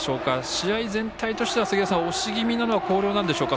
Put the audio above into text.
試合全体としては押し気味なのは広陵なんでしょうか。